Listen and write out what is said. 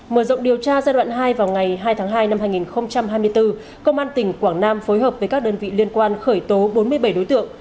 mở rộng điều tra giai đoạn hai vào ngày hai tháng hai năm hai nghìn hai mươi bốn công an tỉnh quảng nam phối hợp với các đơn vị liên quan khởi tố bốn mươi bảy đối tượng